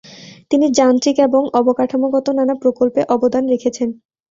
তিনি যান্ত্রিক, সামরিক এবং অবকাঠামোগত নানা প্রকল্পে অবদান রেখেছেন।